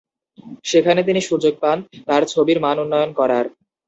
সেখানে তিনি সুযোগ পান তার ছবির মান উন্নয়ন করার।